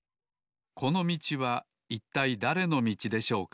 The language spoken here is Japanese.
このみちはいったいだれのみちでしょうか？